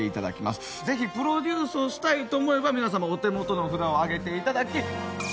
ぜひプロデュースをしたいと思えば皆様お手元の札を上げていただき。